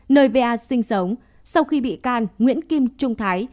nơi va sinh sống sau khi bị can nguyễn kim trung thái